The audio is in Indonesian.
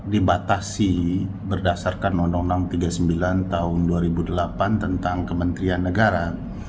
dibatasi berdasarkan undang undang tiga puluh sembilan tahun dua ribu delapan tentang kementerian negara